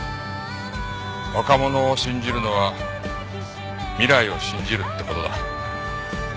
若者を信じるのは未来を信じるって事だ。